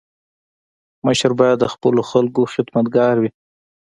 مشر باید د خپلو خلکو خدمتګار وي.